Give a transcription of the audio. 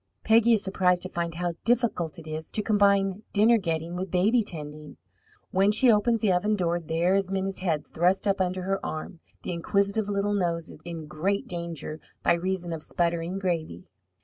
Peggy is surprised to find how difficult it is to combine dinner getting with baby tending. When she opens the oven door, there is Minna's head thrust up under her arm, the inquisitive little nose in great danger by reason of sputtering gravy.